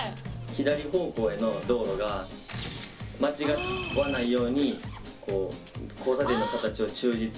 左方向への道路が間違わないようにこう交差点の形を忠実に再現されてますね。